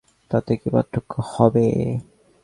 তাতে কী পার্থক্য হবে?